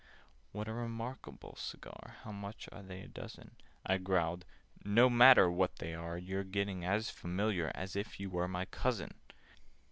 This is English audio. "What a re markable cigar! How much are they a dozen?" I growled "No matter what they are! You're getting as familiar As if you were my cousin!